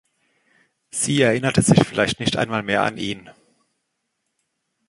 Sie erinnerte sich vielleicht nicht einmal mehr an ihn.